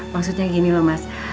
maksudnya gini loh mas